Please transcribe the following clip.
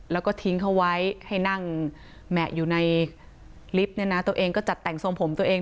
แล้วก็ทิ้งเขาไว้ให้นั่งแหมะอยู่ในลิฟต์เนี่ยนะตัวเองก็จัดแต่งทรงผมตัวเอง